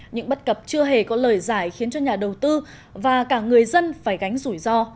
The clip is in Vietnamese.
những bất cập chưa hề có lời giải khiến cho nhà đầu tư và cả người dân phải gánh rủi ro